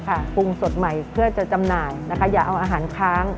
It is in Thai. ปรุงสดใหม่เพื่อจะจำหน่ายนะคะอย่าเอาอาหารค้าง